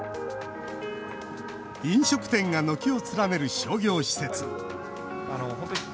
飲食店が軒を連ねる商業施設。